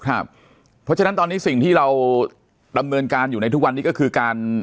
เพราะฉะนั้นตอนนี้สิ่งที่เราดำเนินการอยู่ในทุกวันนี้ก็คือการ